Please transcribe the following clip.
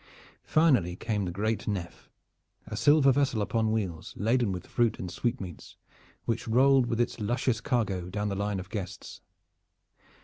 Finally came the great nef, a silver vessel upon wheels laden with fruit and sweetmeats which rolled with its luscious cargo down the line of guests.